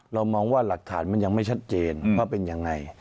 เรามองว่าหลักฐานมันยังไม่ชัดเจนว่าเป็นยังไง